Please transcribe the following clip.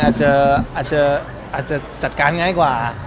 อาจจะจัดการง่ายกว่า